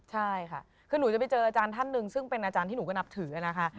ใช่ค่ะคือหนูจะไปเจออาจารย์ท่านหนึ่งซึ่งเป็นอาจารย์ที่หนูก็นับถือนะคะ